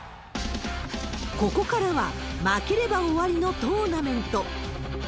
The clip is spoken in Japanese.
ここからは、負ければ終わりのトーナメント。